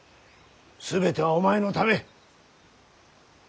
全てはお前のため。